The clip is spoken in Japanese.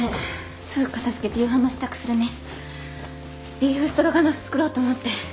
ビーフストロガノフ作ろうと思って。